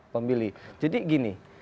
pemilih jadi gini